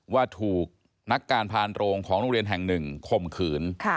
ว่าถูกนักการพานโรงของโรงเรียนแห่งหนึ่งคมขืน